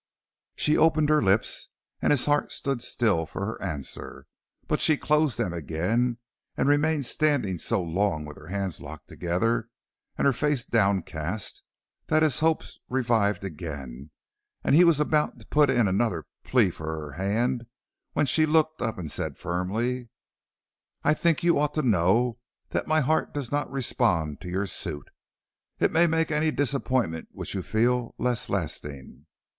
She opened her lips and his heart stood still for her answer, but she closed them again and remained standing so long with her hands locked together and her face downcast, that his hopes revived again, and he was about to put in another plea for her hand when she looked up and said firmly: "I think you ought to know that my heart does not respond to your suit. It may make any disappointment which you feel less lasting."